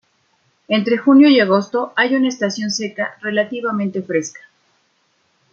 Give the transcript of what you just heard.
Entre junio y agosto hay una estación seca relativamente fresca.